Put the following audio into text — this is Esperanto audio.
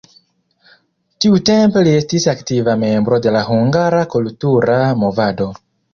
Tiutempe li estis aktiva membro de la hungara kultura movado.